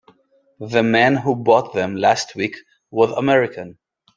The man who bought them last week was American.